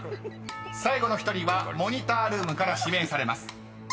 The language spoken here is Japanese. ［最後の１人はモニタールームから指名されます］